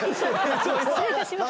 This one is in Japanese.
失礼いたしました。